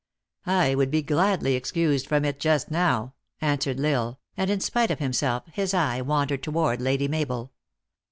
"I would be gladly excused from it just now," an swered L Isle, and in spite of himself, his eye wandered toward Lady Mabel.